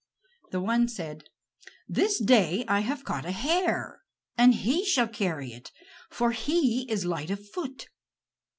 The one said: "This day I have caught a hare, and he shall carry it, for he is light of foot."